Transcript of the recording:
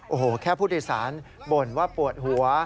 โอ้โหแค่ผู้โดยสารบ่นว่าปวดหัว